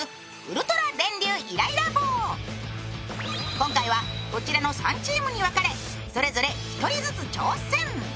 今回はこちらの３チームに分かれそれぞれ１人ずつ挑戦。